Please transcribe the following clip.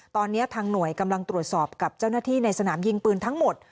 ตอนนี้ทางหน่วยกำลังตรวจสอบกับเจ้าหน้าที่ในสนามยิงปืนทั้งหมด